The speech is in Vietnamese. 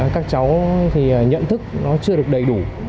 các cháu thì nhận thức nó chưa được đầy đủ